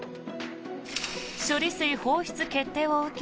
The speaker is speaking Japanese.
処理水放出決定を受け